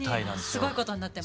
すごいことになってます。